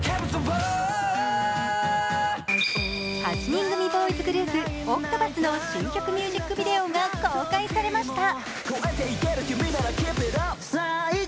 ８人組ボーイズグループＯＣＴＰＡＴＨの新曲ミュージックビデオが公開されました。